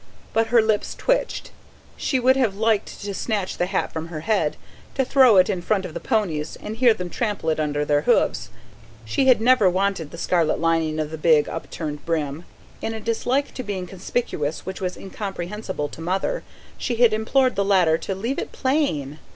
But her lips twitched. She would have liked to snatch the hat from her head, to throw it in front of the ponies and hear them trample it under their hoofs. She had never wanted the scarlet lining of the big, upturned brim; in a dislike to being conspicuous which was incomprehensible to Mother, she had implored the latter to "leave it plain".